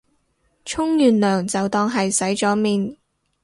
沖完涼就當係洗咗面